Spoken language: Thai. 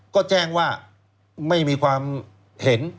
ก็แจ้งว่าไม่มีความเห็น